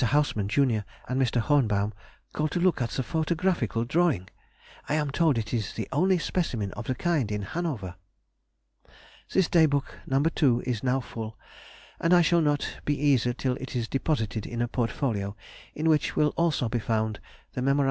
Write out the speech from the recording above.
Hausmann, junior, and Mr. Hohenbaum called to look at the photographical drawing. I am told it is the only specimen of the kind in Hanover. This Day book, No. 2, is now full, and I shall not be easy till it is deposited in a portfolio, in which will also be found the Mem.